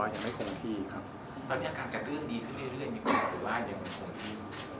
คนตำรวจกรรมเด็ดดีขึ้นเรื่อยมีคนบอกว่ายังไม่คงพี่